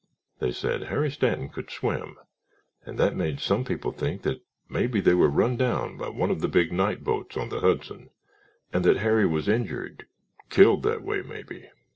They said Harry Stanton could swim and that made some people think that maybe they were run down by one of the big night boats on the Hudson and that Harry was injured—killed that way, maybe.